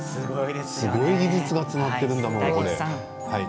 すごい技術が詰まっているんだから、これ。